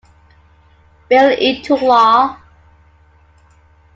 Bill into law.